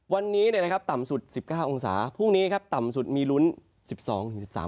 วันนี้นะครับต่ำสุด๑๙องศาพรุ่งนี้ครับต่ำสุดมีลุ้น๑๒๑๓